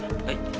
はい。